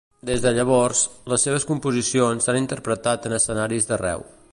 Des de llavors, les seves composicions s'han interpretat en escenaris d'arreu.